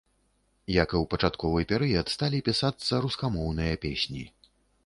Як і ў пачатковы перыяд, сталі пісацца рускамоўныя песні.